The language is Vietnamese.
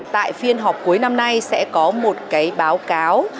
tại phiên họp cuối năm nay sẽ có một cái báo cáo